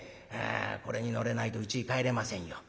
これに乗れないとうちに帰れませんよ。